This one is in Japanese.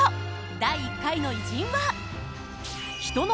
第１回の偉人は。